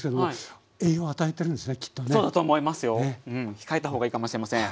控えた方がいいかもしれません。